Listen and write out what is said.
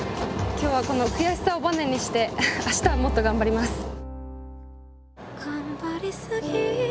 今日はこの悔しさをバネにして明日はもっと頑張ります。